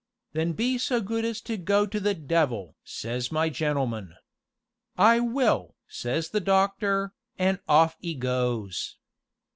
'Then be so good as to go to the devil!' says my gentleman. 'I will!' says the doctor, an' off 'e goes.